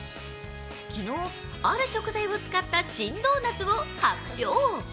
昨日、ある食材を使った新ドーナツを発表。